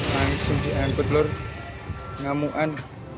langsung diangkut lor ngamuk an